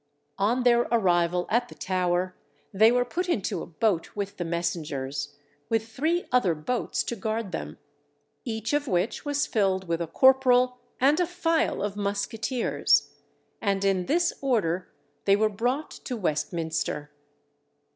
On their arrival at the Tower, they were put into a boat with the messengers, with three other boats to guard them, each of which was filled with a corporal and a file of musqueteers; and in this order they were brought to Westminster.